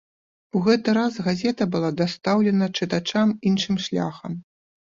У гэты раз газета была дастаўлена чытачам іншым шляхам.